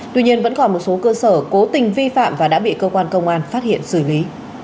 tuy nhiên vẫn còn một số cơ sở cố tình vi phạm và đã bị cơ quan công an phát hiện xử lý